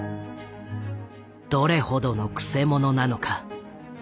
どれほどの曲者なのか。